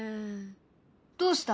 どうした？